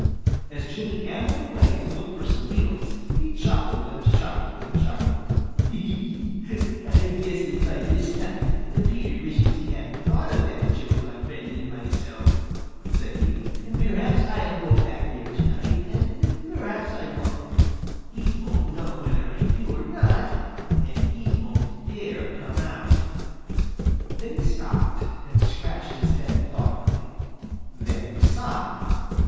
As Jimmy ambled away to look for some beetles, he chuckled and chuckled and chuckled. "I guess that by this time Peter wishes he hadn't thought of that joke on Reddy Fox and myself," said he. "Perhaps I'll go back there tonight and perhaps I won't. He won't know whether I do or not, and he won't dare come out." Then he stopped and scratched his head thoughtfully. Then he sighed.